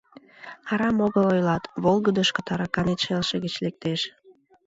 Арам огыл ойлат: волгыдышко тараканет шелше гыч лектеш».